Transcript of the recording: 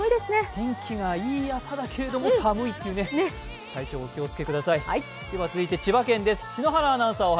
天気がいい朝だけれども寒いというね、体調お気をつけください。